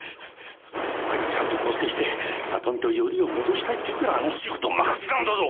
お前がちゃんと更生して里実とよりを戻したいって言うからあの仕事を任せたんだぞ！